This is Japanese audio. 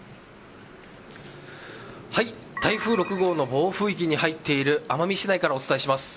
はい、台風６号の暴風域に入っている奄美市内からお伝えします。